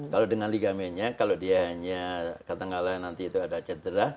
kalau dengan ligamennya kalau dia hanya katakanlah nanti itu ada cedera